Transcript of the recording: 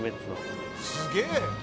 「すげえ！」